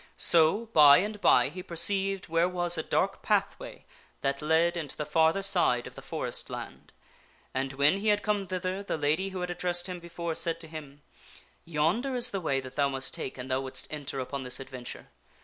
So, by and by, he perceived where was a dark pathway that led into the farther side of the forest land ; and when he had come thither the lady who had ad dressed him before said to him, " Yonder is the way that thou must take an thou wouldst enter upon this adventure.